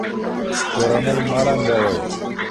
کورنۍ مه ړنګوئ.